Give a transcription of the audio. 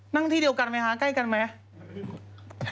ที่เดียวกันไหมคะใกล้กันไหม